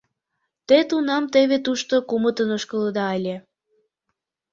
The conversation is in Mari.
Те тунам теве тушто кумытын ошкылыда ыле.